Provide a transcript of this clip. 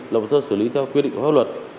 lập hồ sơ xử lý theo quy định của pháp luật